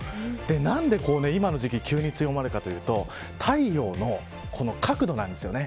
何で今の時期急に強まるかというと、太陽の角度なんです。